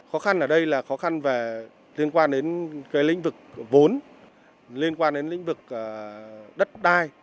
khó khăn ở đây là khó khăn liên quan đến lĩnh vực vốn liên quan đến lĩnh vực đất đai